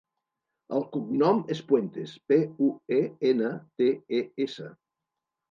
El cognom és Puentes: pe, u, e, ena, te, e, essa.